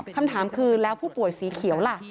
คำถามคือแล้วผู้ป่วยสีเขียวล่ะ